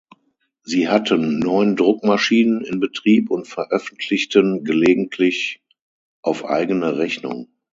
Sie hatten neun Druckmaschinen in Betrieb und veröffentlichten gelegentlich auf eigene Rechnung.